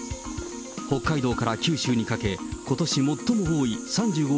北海道から九州にかけ、ことし最も多い３５